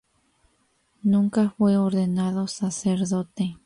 Nunca fue ordenado sacerdote.